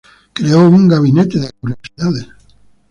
Creó un gabinete de curiosidades.